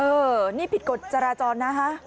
เออนี่ผิดกฎจราจรนะคะ